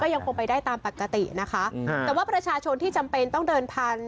ยังคงไปได้ตามปกตินะคะแต่ว่าประชาชนที่จำเป็นต้องเดินผ่าน